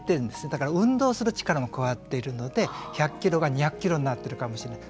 だから運動する力も加わっているので１００キロが２００キロになっているかもしれない。